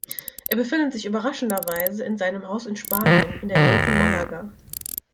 Er befindet sich überraschenderweise in seinem Haus in Spanien in der Nähe von Malaga.